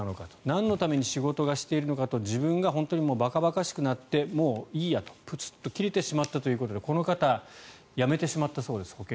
なんのために仕事をしているのかと自分が本当に馬鹿馬鹿しくなってもういいやとプツッと切れてしまったということでこの方、保健所を辞めてしまったそうです。